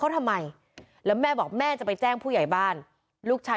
เขาทำไมแล้วแม่บอกแม่จะไปแจ้งผู้ใหญ่บ้านลูกชาย